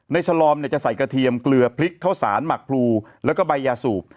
ฉลอมจะใส่กระเทียมเกลือพริกข้าวสารหมักพลูแล้วก็ใบยาสูบ